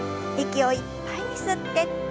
息をいっぱいに吸って。